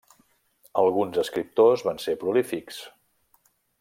Alguns escriptors van ser prolífics.